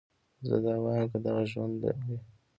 زه دا واييم که دغه ژوند وي